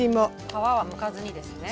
皮はむかずにですね。